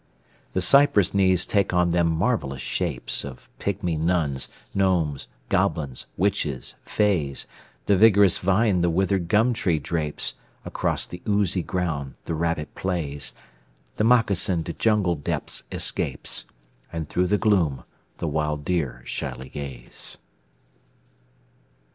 The cypress knees take on them marvellous shapes Of pygmy nuns, gnomes, goblins, witches, fays, The vigorous vine the withered gum tree drapes, Across the oozy ground the rabbit plays, The moccasin to jungle depths escapes, And through the gloom the wild deer shyly gaze.